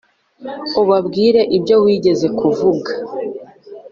ubabwire ibyo wigeze kuvuga.